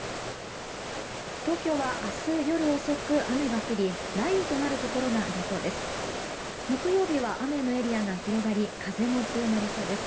東京は明日夜遅く雨が降り雷雨となるところがありそうです。